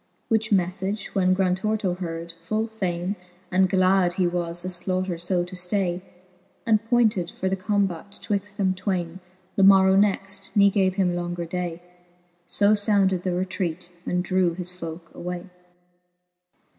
Which meflage when Grantorto heard, full fayne And glad he was the flaiighter fb to ftay, And pointed for the combat twixt them twayne The morrow next, ne gave him longer day. So founded the retraite, and drew his folke away.